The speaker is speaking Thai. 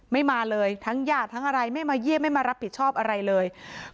ไม่มาเลยทั้งญาติทั้งอะไรไม่มาเยี่ยมไม่มารับผิดชอบอะไรเลย